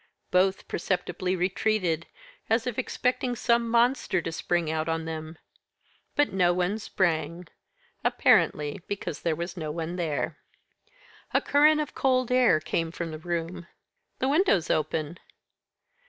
Both perceptibly retreated, as if expecting some monster to spring out on them. But no one sprang apparently because there was no one there. A current of cold air came from the room. "The window's open."